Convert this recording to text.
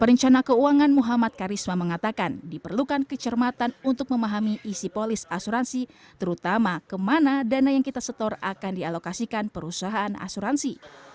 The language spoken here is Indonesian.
perencana keuangan muhammad karisma mengatakan diperlukan kecermatan untuk memahami isi polis asuransi terutama kemana dana yang kita setor akan dialokasikan perusahaan asuransi